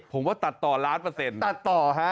ผมว่าตัดต่อล้านเปอร์เซ็นต์